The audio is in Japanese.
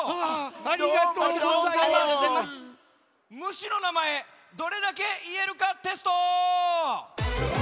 「虫のなまえどれだけ言えるかテスト」！